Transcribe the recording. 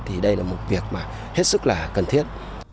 thì đây là một việc mà hết sức là cần thiết